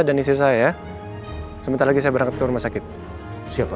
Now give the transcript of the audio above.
dan istri saya sebentar lagi saya berangkat ke rumah sakit siapa